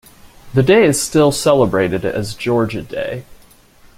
The day is still celebrated as Georgia Day.